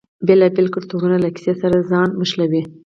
بیلابیل کلتورونه له کیسې سره ځان نښلوي.